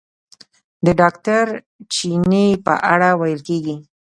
د ډاکټر چیني په اړه ویل کېږي.